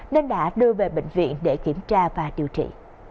nên đã đưa về bệnh viện để kiểm tra và điều trị